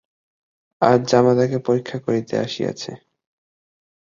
আজ জামাতাকে পরীক্ষা করিতে আসিয়াছে।